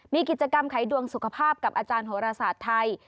มีกิจกรรมไขดวงสุขภาพกับอาจารย์โหรศาสตร์ไทย